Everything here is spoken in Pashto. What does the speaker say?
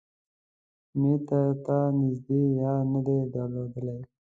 مې تر تا نږدې يار نه دی درلودلی.